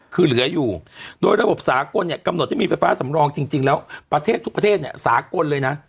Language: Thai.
คือเหลืออยู่โดยระบบสากลเนี่ยกำหนดให้มีไฟฟ้าสำรองจริงแล้วประเทศทุกประเทศเนี่ยสากลเลยนะ